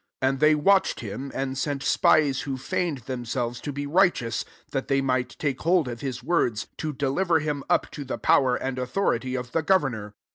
20 And they watched Aim, and sent spies who feigned themselves to be righteous, that they might take hold of his words, to deliver him up to the power md authority of the governor.